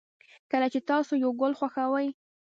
کله چې تاسو یو گل خوښوئ